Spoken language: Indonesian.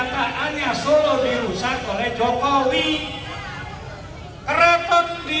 saya ini bukan ini